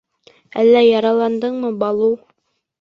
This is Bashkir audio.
— Әллә яраландыңмы, Балу?